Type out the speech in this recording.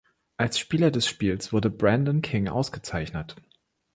Als Spieler des Spiels wurde Brandon King ausgezeichnet.